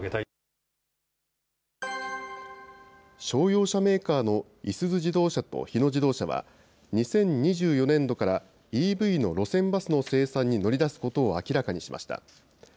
商用車メーカーのいすゞ自動車と日野自動車は、２０２４年度から、ＥＶの路線バスの生産に乗り出すことを明らかにしました。